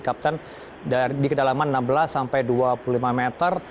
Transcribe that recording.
kapten di kedalaman enam belas sampai dua puluh lima meter